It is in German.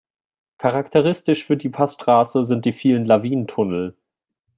Charakteristisch für die Passstraße sind die vielen Lawinentunnel.